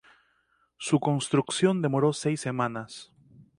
Su construcción demoró seis semanas.